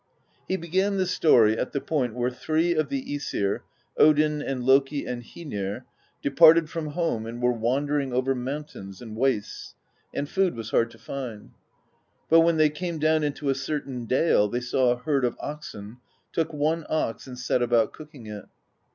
He began the story at the point where three of the iEsir, Odin and Loki and Hoenir, departed from home and were wandering over mountains and wastes, and food was hard to find. But when they came down into a cer tain dale, they saw a herd of oxen, took one ox, and set about cooking it.